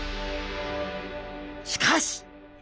しかし！